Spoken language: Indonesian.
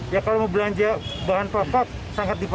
ya kalau mau belanja bahan pahak pahak sangat dibuat